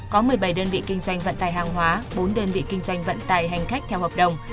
có một mươi bảy đơn vị kinh doanh vận tài hàng hóa bốn đơn vị kinh doanh vận tài hành khách theo hợp đồng